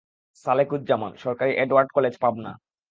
সালেকুজ্জামানসরকারি Edward college, Pabna.